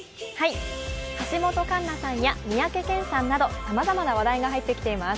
橋本環奈さんや三宅健さんなどさまざまな話題が入ってきています。